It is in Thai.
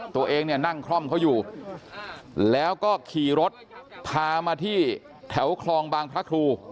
ตัวเองเนี่ยนั่งคล่อมเขาอยู่แล้วก็ขี่รถพามาที่แถวคลองบางพระครู